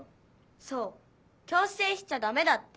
そう強せいしちゃダメだって。